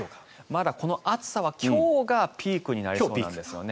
まだこの暑さは今日がピークになりそうなんですよね。